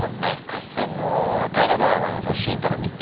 合戦の大河ドラマのさシーンとか見て。